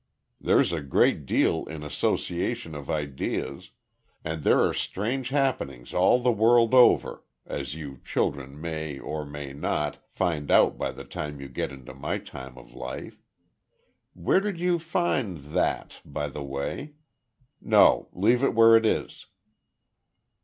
There's a great deal in association of ideas, and there are strange happenings all the world over, as you two children may or may not find out by the time you get to my time of life. Where did you find that by the way? No leave it where it is."